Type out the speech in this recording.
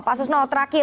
pak susno terakhir